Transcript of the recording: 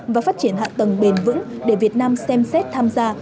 và phát triển hạ tầng bền vững để việt nam xem xét tham gia